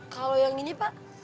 kalau yang ini pak